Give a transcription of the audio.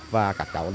và các cháu đó